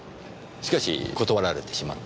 しかし断られてしまった。